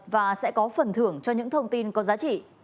và sẽ có phần thưởng cho những thông tin có giá trị